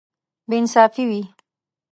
بې انصافي وي.